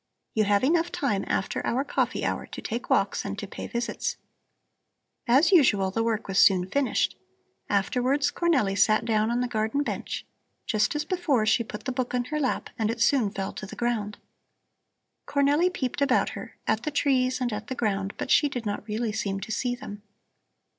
You have enough time after our coffee hour to take walks and to pay visits." As usual the work was soon finished. Afterwards Cornelli sat down on the garden bench. Just as before, she put the book in her lap, and it soon fell to the ground. Cornelli peeped about her, at the trees and at the ground, but she did not really seem to see them.